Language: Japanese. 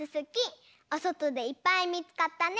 おそとでいっぱいみつかったね！